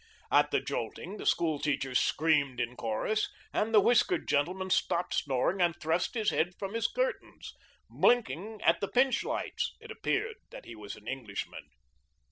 At the jolting, the school teachers screamed in chorus, and the whiskered gentleman stopped snoring and thrust his head from his curtains, blinking at the Pintsch lights. It appeared that he was an Englishman.